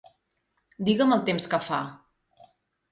Digue'm el temps que fa.